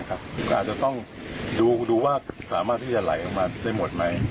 ก็อาจจะต้องดูว่าสามารถที่จะไหลออกมาได้หมดไหม